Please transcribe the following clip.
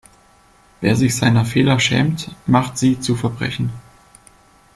Wer sich seiner Fehler schämt, macht sie zu Verbrechen.